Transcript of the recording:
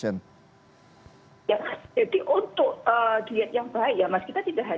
ya jadi untuk